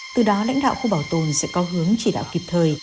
từ đó lãnh đạo khu bảo tồn sẽ có hướng chỉ đạo kịp thời